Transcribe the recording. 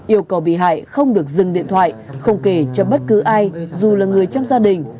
yêu cầu bị hại không được dừng điện thoại không kể cho bất cứ ai dù là người trong gia đình